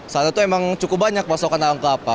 saat itu emang cukup banyak pasokan dalam kelapa